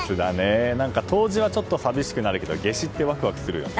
冬至はちょっと寂しくなるけど夏至ってワクワクするよね。